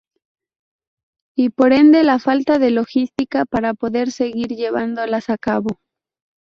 Y por ende la falta de logística para poder seguir llevándolas a cabo.